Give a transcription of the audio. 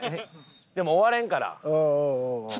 もう終われんから。